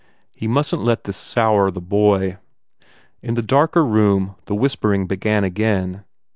He mustn t let this sour the boy. In the darker room the whispering began again.